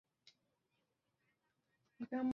毛盔西藏糙苏为唇形科糙苏属下的一个变种。